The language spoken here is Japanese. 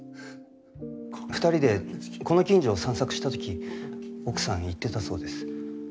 ２人でこの近所を散策した時奥さん言ってたそうです。